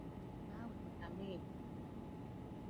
Bbaawe mutamivu.